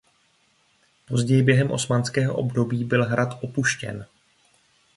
Později během osmanského období byl hrad opuštěn.